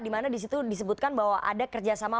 dimana disitu disebutkan bahwa ada kerjasama